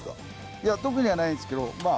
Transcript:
いや特にはないんですけどまあ